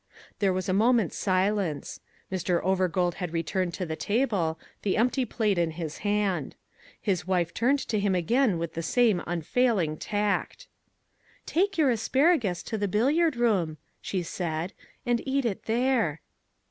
There was a moment's silence. Mr. Overgold had returned to the table, the empty plate in his hand. His wife turned to him again with the same unfailing tact. "Take your asparagus to the billiard room," she said, "and eat it there."